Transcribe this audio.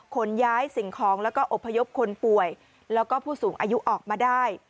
ขนย้ายสิ่งของแล้วก็อบพยพคนป่วยแล้วก็ผู้สูงอายุออกมาได้